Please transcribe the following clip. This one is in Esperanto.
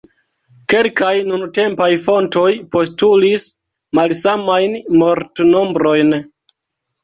Kelkaj nuntempaj fontoj postulis malsamajn mortnombrojn.